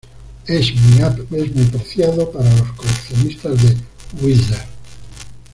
Es muy preciado para los coleccionistas de Weezer.